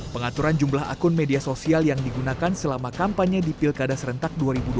pengaturan jumlah akun media sosial yang digunakan selama kampanye di pilkada serentak dua ribu dua puluh